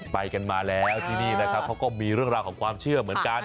ไปกันมาแล้วที่นี่นะครับเขาก็มีเรื่องราวของความเชื่อเหมือนกัน